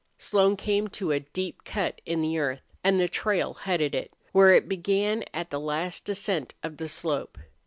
Slone came to a deep cut in the earth, and the trail headed it, where it began at the last descent of the slope.